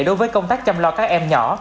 đối với công tác chăm lo các em nhỏ